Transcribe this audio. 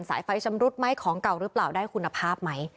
สายไฟชำรุดมั้ยของเก่าได้คุณภาพมั้ย